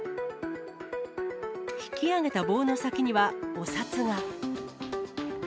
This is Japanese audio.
引き上げた棒の先には、お札が。